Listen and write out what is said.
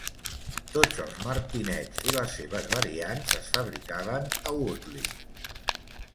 Tots els martinets i les seves variants es fabricaven a Woodley.